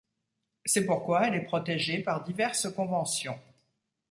C'est pourquoi elle est protégée par diverses conventions.